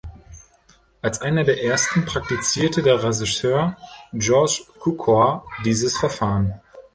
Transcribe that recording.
Als einer der ersten praktizierte der Regisseur George Cukor dieses Verfahren.